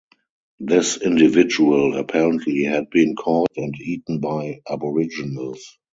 This individual apparently had been caught and eaten by aboriginals.